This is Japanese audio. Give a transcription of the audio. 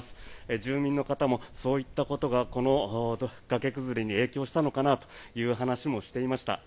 住民の方も、そういったことがこの崖崩れに影響したのかなという話もしていました。